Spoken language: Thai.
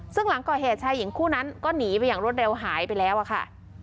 ซึ่งหลังก่อเหตุชายหญิงคู่นั้นก็หนีไปอย่างรวดเร็วหายไปแล้วอะค่ะ